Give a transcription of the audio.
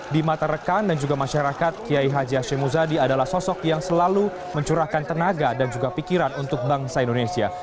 di mata rekan dan juga masyarakat kiai haji hashim muzadi adalah sosok yang selalu mencurahkan tenaga dan juga pikiran untuk bangsa indonesia